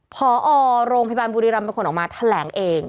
พอโรงพยาบาลบุรีรำเป็นคนออกมาแถลงเอง